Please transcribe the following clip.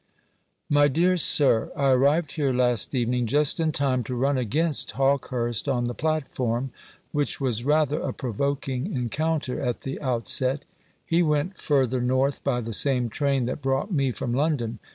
My dear sir, I arrived here last evening just in time to run against Hawkehurst on the platform, which was rather a provoking encounter at the outset. He went further north by the same train that brought me from London.